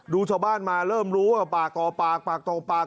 ดูชาวบ้านมาเริ่มรู้แปลกต่อแปลกแปลกต่อแปลก